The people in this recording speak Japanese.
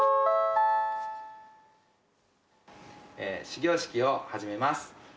始業式を始めます。